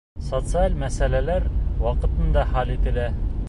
Социаль мәсьәләләр ваҡытында хәл ителә.